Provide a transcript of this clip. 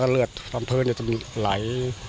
เลือดต้นทึนหลาย